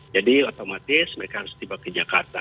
jadi otomatis mereka harus tiba ke jakarta